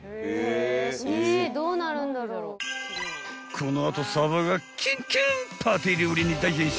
［この後さばがキュンキュンパーティー料理に大変身］